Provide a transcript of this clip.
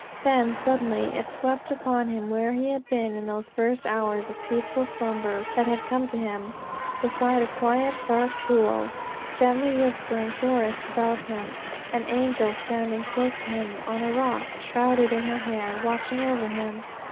Then, suddenly, it swept upon him where he had been in those first hours of peaceful slumber that had come to him beside a quiet, dark pool gently whispering forests about him an angel standing close to him, on a rock, shrouded in her hair watching over him.